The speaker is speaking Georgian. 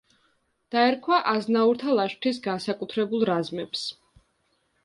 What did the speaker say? დაერქვა აზნაურთა ლაშქრის განსაკუთრებულ რაზმებს.